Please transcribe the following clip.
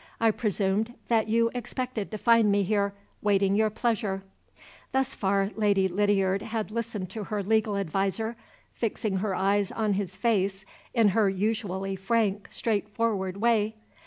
I presumed that you expected to find me here, waiting your pleasure " Thus far Lady Lydiard had listened to her legal adviser, fixing her eyes on his face in her usually frank, straightforward way.